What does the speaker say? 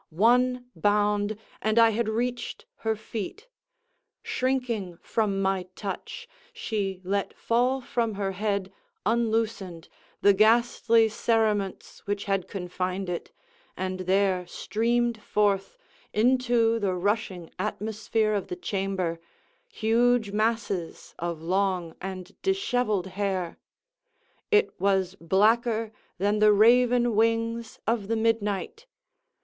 One bound, and I had reached her feet! Shrinking from my touch, she let fall from her head, unloosened, the ghastly cerements which had confined it, and there streamed forth, into the rushing atmosphere of the chamber, huge masses of long and dishevelled hair; _it was blacker than the raven wings of the midnight!